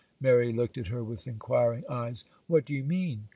Mary looked at her with inquiring eyes. 'What do you mean?